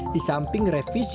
di samping revisi wpk